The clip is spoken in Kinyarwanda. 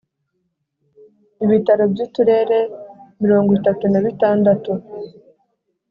Ibitaro by Uturere mirongo itatu na bitandatu